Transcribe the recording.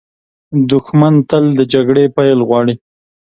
دښمن تل د جګړې پیل غواړي